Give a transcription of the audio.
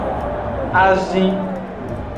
Azin.